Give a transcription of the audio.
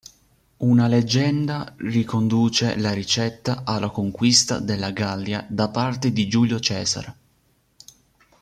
Una leggenda riconduce la ricetta alla conquista della Gallia da parte di Giulio Cesare.